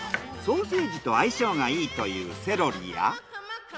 ソーセージと相性がいいというセロリや。